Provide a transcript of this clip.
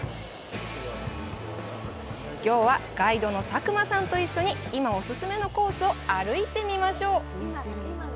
きょうはガイドの佐久間さんと一緒に、今オススメのコースを歩いてみましょう！